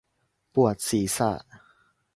ปวดศีรษะ